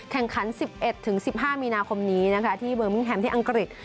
แข่งขัน๑๑๑๕มีนาคมนี้ที่เบอร์มิ้งแฮมที่อังกฤษ